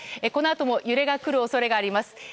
このあとも揺れが来る恐れがあります。